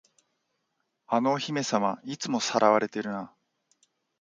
あのお姫様、いつも掠われてるな。